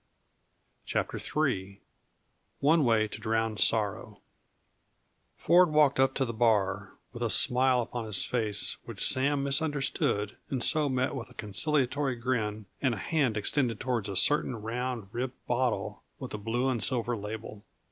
CHAPTER III One Way to Drown Sorrow Ford walked up to the bar, with a smile upon his face which Sam misunderstood and so met with a conciliatory grin and a hand extended toward a certain round, ribbed bottle with a blue and silver label.